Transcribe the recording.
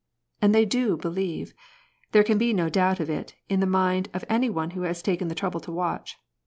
And they do believe ; there can be no doubt of it in the mind of any one who has taken the trouble to watch.